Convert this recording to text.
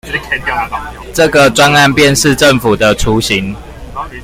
這個專案便是政府的雛形